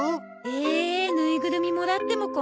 ええぬいぐるみもらっても困るのよねえ。